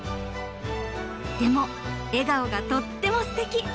でも笑顔がとってもステキ！